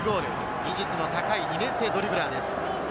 技術の高い２年生ドリブラーです。